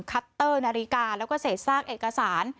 คัตเตอร์นาฬิกาแล้วก็เศษซากเอกสาร